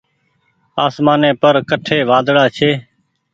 آسمآني پر ڪٺي وآۮڙآ ڇي۔